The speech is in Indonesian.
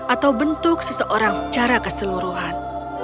atau bentuk seseorang secara keseluruhan